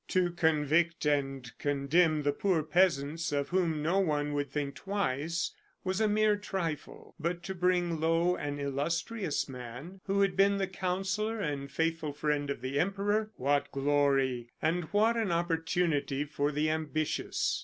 To convict and condemn the poor peasants, of whom no one would think twice, was a mere trifle. But to bring low an illustrious man who had been the counsellor and faithful friend of the Emperor! What glory, and what an opportunity for the ambitious!